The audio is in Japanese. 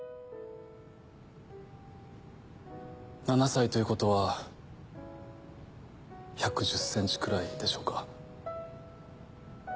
７歳ということは１１０ｃｍくらいでしょうか。